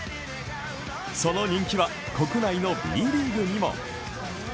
その人気は国内のＢリーグにも。